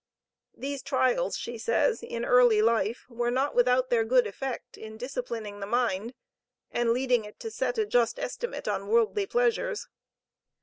"These trials," she says, "in early life, were not without their good effect in disciplining the mind, and leading it to set a just estimate on worldly pleasures."